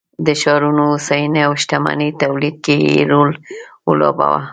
د ښارونو هوساینې او شتمنۍ تولید کې یې رول ولوباوه